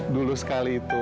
dulu sekali itu